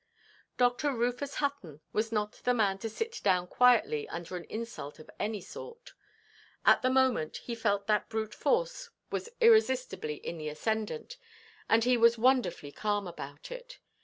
Dr. Rufus Hutton was not the man to sit down quietly under an insult of any sort. At the moment he felt that brute force was irresistibly in the ascendant, and he was wonderfully calm about it.